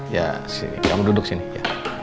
ya sini kamu duduk sini